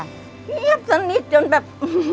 เงียบสนิทจนแบบ